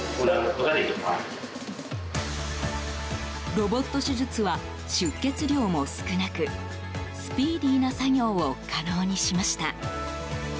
ロボット手術は出血量も少なくスピーディーな作業を可能にしました。